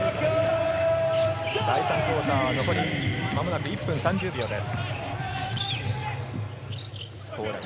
第３クオーターは間もなく１分３０秒です。